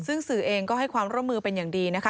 ซึ่งสื่อเองก็ให้ความร่วมมือเป็นอย่างดีนะคะ